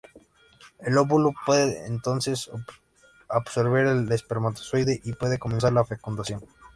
El óvulo puede entonces absorber el espermatozoide y puede comenzar la fecundación.